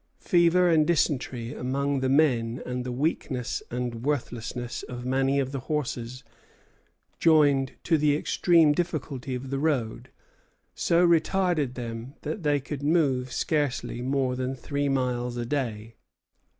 Fever and dysentery among the men, and the weakness and worthlessness of many of the horses, joined to the extreme difficulty of the road, so retarded them that they could move scarcely more than three miles a day.